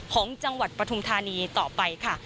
ของจังหวัดปฐุมธานีต่อไปค่ะ